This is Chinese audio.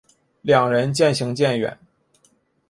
两人渐行渐远